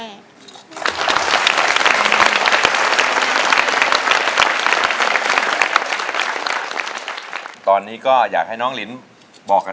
เอาล่ะ